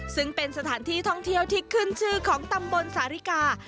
ซึ่งเป็นสถานที่ท่องเที่ยวที่ขึ้นชื่อของตำบลสาริกา